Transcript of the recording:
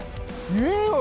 言えよ！